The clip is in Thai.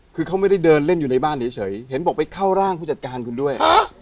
คือเขาไม่ได้เดินเล่นอยู่ในบ้านเฉยเห็นบอกไปเข้าร่างผู้จัดการคุณด้วย